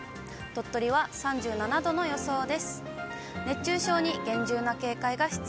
鳥取は３７度の予想です。